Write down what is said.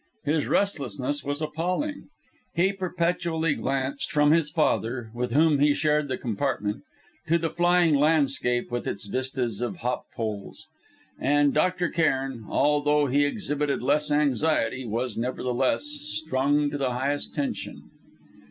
His restlessness was appalling. He perpetually glanced from his father, with whom he shared the compartment, to the flying landscape with its vistas of hop poles; and Dr. Cairn, although he exhibited less anxiety, was, nevertheless, strung to highest tension.